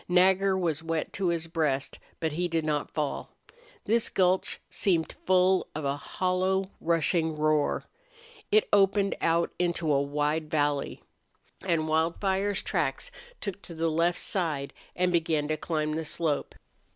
Nagger was wet to his breast, but he did not fall. This gulch seemed full of a hollow rushing roar. It opened out into a wide valley. And Wildfire's tracks took to the left side and began to climb the slope.